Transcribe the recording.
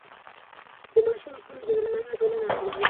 د ماشوم حقونو ته درناوی ټولنه عادلانه کوي.